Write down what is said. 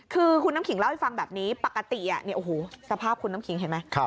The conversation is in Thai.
คือคุณน้ำขิงเล่าให้ฟังแบบนี้ปกติสภาพคุณน้ำขิงเห็นไหม